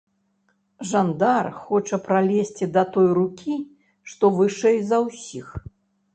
Жандар хоча пралезці да той рукі, што вышэй за ўсіх.